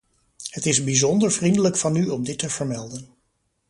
Het is bijzonder vriendelijk van u om dit te vermelden.